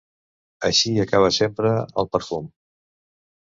Així acaba sempre el perfum.